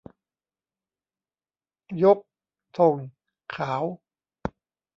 ยกธงขาว